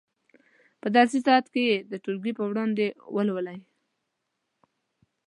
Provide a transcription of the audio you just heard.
په درسي ساعت کې یې د ټولګي په وړاندې ولولئ.